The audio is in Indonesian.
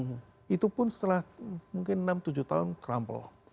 walaupun setelah mungkin enam tujuh tahun kerampel